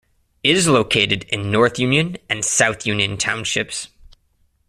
It is located in North Union and South Union townships.